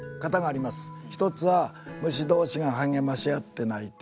一つは虫同士が励まし合って鳴いている。